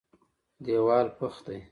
دېوال پخ دی.